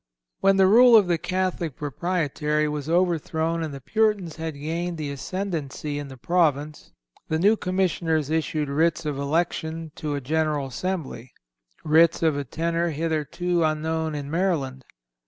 (309) When the rule of the Catholic Proprietary was overthrown and the Puritans had gained the ascendency in the Province, the new Commissioners issued writs of election to a general assembly—writs of a tenor hitherto unknown in Maryland.